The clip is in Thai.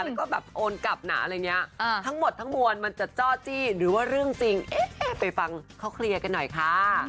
แล้วก็แบบโอนกลับนะอะไรอย่างนี้ทั้งหมดทั้งมวลมันจะจ้อจี้หรือว่าเรื่องจริงเอ๊ะไปฟังเขาเคลียร์กันหน่อยค่ะ